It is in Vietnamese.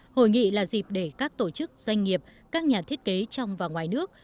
hội nghị là dịp để các tổ chức doanh nghiệp các nhà thiết kế trong và ngoài nước